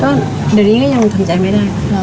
ก็เดี๋ยวนี้ก็ยังทำใจไม่ได้